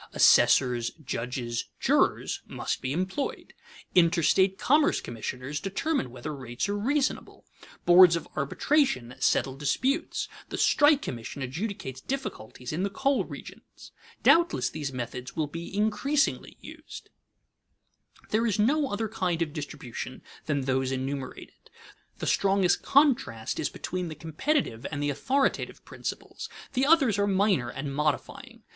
Assessors, judges, jurors, must be employed. Interstate commerce commissioners determine whether rates are reasonable, boards of arbitration settle disputes, the strike commission adjudicates difficulties in the coal regions. Doubtless these methods will be increasingly used. [Sidenote: Need of a wise blending of methods] There is no other kind of distribution than those enumerated. The strongest contrast is between the competitive and the authoritative principles; the others are minor and modifying.